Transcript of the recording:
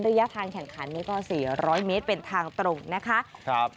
ซึ่งระยะทางแข่งขัน๔๐๐เมตรเป็นทางตรงนะครับ